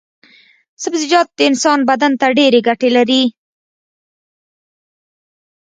سبزيجات د انسان بدن ته ډېرې ګټې لري.